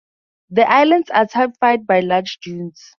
The islands are typified by large dunes.